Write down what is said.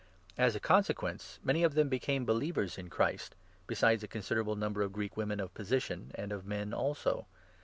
As a 12 consequence, many of them became believers in Christ, besides a considerable number of Greek women of position, and of men also.